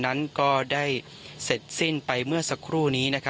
นั้นก็ได้เสร็จสิ้นไปเมื่อสักครู่นี้